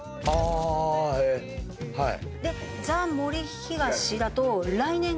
はい。